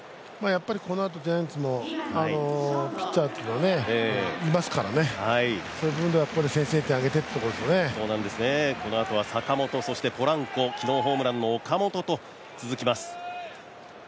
やっぱりこのあとジャイアンツのピッチャーというのもいますからそういう部分では先制点を挙げていってこのあとは坂本、そしてポランコ昨日ホームランの岡本と続きます。